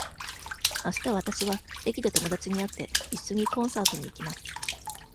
あしたわたしは駅で友だちに会って、いっしょにコンサートに行きます。